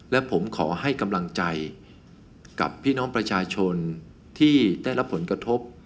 และผมขอให้กำลังใจกับพี่น้องประชาชนที่ได้รับผลกระทบ